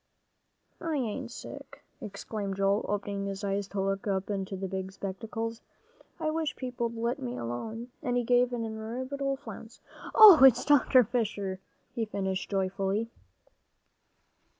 "I ain't sick," exclaimed Joel, opening his eyes to look up into the big spectacles. "I wish people'd let me alone," and he gave an irritable flounce. "Oh it's Dr. Fisher," he finished joyfully.